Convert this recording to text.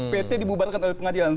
pt dibubarkan oleh pengadilan